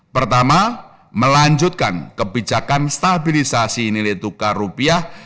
pertama melanjutkan kebijakan stabilisasi nilai tukar rupiah